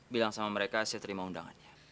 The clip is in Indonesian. bilang sama mereka saya terima undangannya